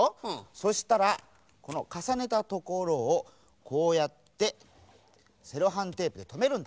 そしたらこのかさねたところをこうやってセロハンテープでとめるんだ。